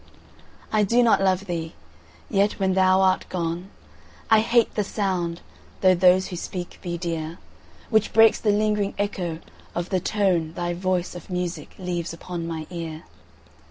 I do not love thee!—yet, when thou art gone, I hate the sound (though those who speak be dear) 10 Which breaks the lingering echo of the tone Thy voice of music leaves upon my ear.